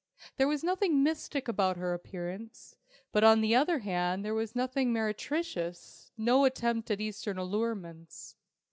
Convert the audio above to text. There was nothing mystic about her appearance, but on the other hand there was nothing meretricious, no attempt at Eastern allurements.